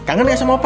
kangen gak sama opa